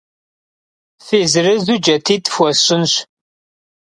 Фи зырызу джатитӏ фхуэсщӏынщ.